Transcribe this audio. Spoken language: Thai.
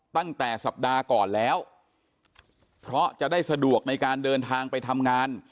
ตั้งแต่สัปดาห์ก่อนแล้วเพราะจะได้สะดวกในการเดินทางไปทำงาน